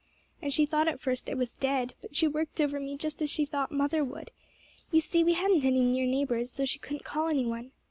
And she thought at first I was dead, but she worked over me just as she thought mother would. You see we hadn't any near neighbors, so she couldn't call any one.